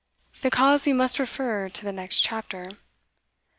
The cause we must refer to the next CHAPTER.